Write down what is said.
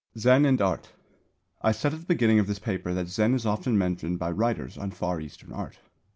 ZEN AND ART. I said at the beginning of this paper that Zen is often mentioned by writers on Far Eastern Art.